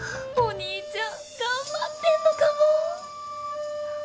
お兄ちゃん頑張ってんのかも。